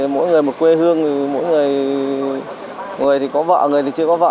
mỗi người một quê hương mỗi người thì có vợ người thì chưa có vợ